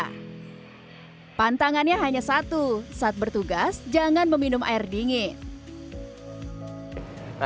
hai pantangannya hanya satu saat bertugas jangan meminum air dingin